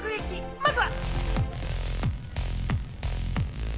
まずは。